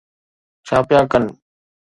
ڇا پيا ڪن؟